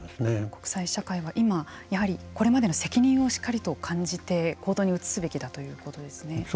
国際社会が今これまでの責任をしっかりと感じて行動に移すべきだそうですね。